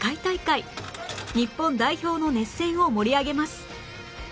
日本代表の熱戦を盛り上げます